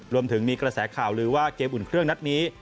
รวมถึงมีกระแสข่าวลือว่าเกมอุ่นเครื่องนัดนี้